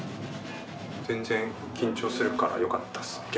全然緊張するからよかったっすね